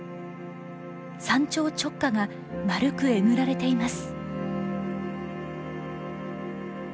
山頂直下が丸くえぐられています。